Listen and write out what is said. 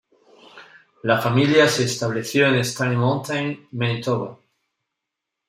La familia se estableció en Stony Mountain, Manitoba.